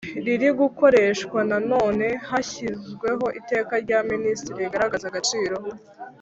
riri gukoreshwa Na none hashyizweho Iteka rya Minisitiri rigaragaza agaciro